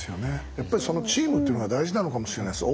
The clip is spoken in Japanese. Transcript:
やっぱりチームっていうのが大事なのかもしれないです。